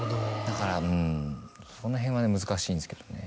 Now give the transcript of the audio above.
だからうんそのへんは難しいんですけどね。